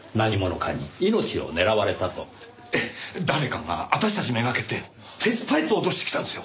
ええ誰かが私たち目がけて鉄パイプを落としてきたんですよ。